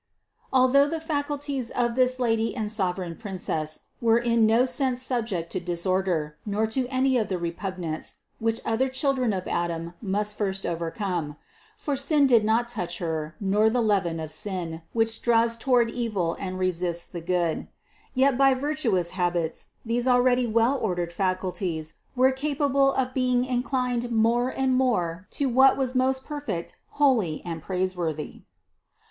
482. Although the faculties of this Lady and sover eign Princess were in no sense subject to disorder, nor to any of the repugnance, which other children of Adam must first overcome (for sin had not touched Her, nor the leaven of sin, which draws toward evil and resists the good) ; yet, by virtuous habits, these already well ordered faculties were capable of being inclined more and more to what was most perfect, holy and praiseworthy.